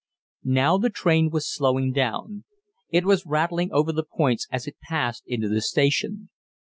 Now the train was slowing down. It was rattling over the points as it passed into the station.